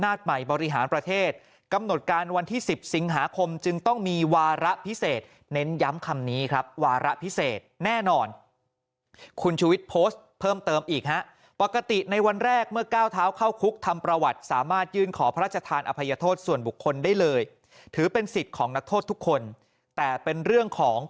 บริหารประเทศกำหนดการวันที่๑๐สิงหาคมจึงต้องมีวาระพิเศษเน้นย้ำคำนี้ครับวาระพิเศษแน่นอนคุณชุวิตโพสต์เพิ่มเติมอีกฮะปกติในวันแรกเมื่อก้าวเท้าเข้าคุกทำประวัติสามารถยื่นขอพระราชทานอภัยโทษส่วนบุคคลได้เลยถือเป็นสิทธิ์ของนักโทษทุกคนแต่เป็นเรื่องของ